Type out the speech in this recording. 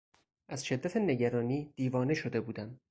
از شدت نگرانی دیوانه شده بودم.